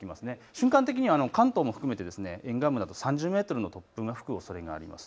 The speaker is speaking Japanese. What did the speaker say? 瞬間的には関東も含めて沿岸部など３０メートルの突風が吹くおそれがあります。